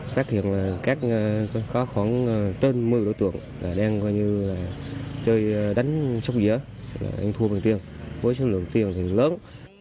rắc hiểm là có khoảng trên một mươi đối tượng đang coi như là chơi đánh sốc dĩa đánh thua bằng tiền với số lượng tiền thì lớn